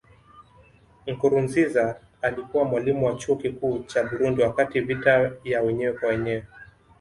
Nkurunziza alikuwa mwalimu wa Chuo Kikuu cha Burundi wakati vita ya wenyewe kwa wenyewe